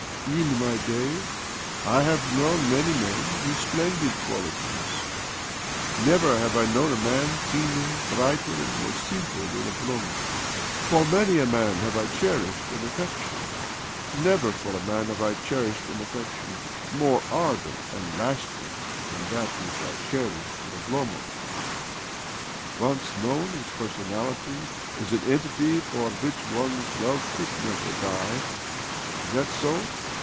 In my day I have known many men with splendid qualities. Never have I known a man cleaner, brighter, and more simple than Oblomov. For many a man have I cherished an affection. Never ifor a man have I cherished an affection more ardent and lasting than that which I cherish for Oblomov. Once known, his personality is an entity for which one's love could never die. ... Is that so?